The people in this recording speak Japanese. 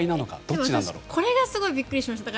でも私、これがすごいびっくりしました。